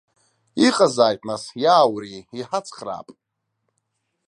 Иҟазааит, нас, иааури, иҳацхраап.